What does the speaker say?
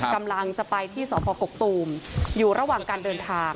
กำลังจะไปที่สพกกตูมอยู่ระหว่างการเดินทาง